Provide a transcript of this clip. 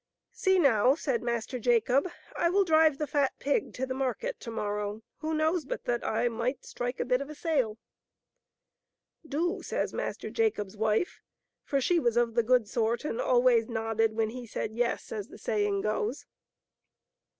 " See, now," says Master Jacob, " I will drive the fat pig to the market to morrow ; who knows but that I might strike a bit of a sale." " Do," says Master Jacob's wife, for she was of the good sort, and always nodded when he said " yes," as the saying goes.